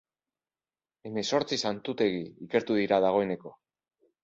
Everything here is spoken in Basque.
Hemezortzi santutegi ikertu dira dagoeneko.